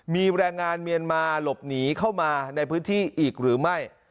มีแรงงานเมียนมาหลบหนีเข้ามาในพื้นที่อีกหรือไม่